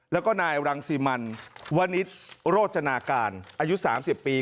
แล้วก็นายรังซีมันวนิสรโรจนาการอายุสามสิบปี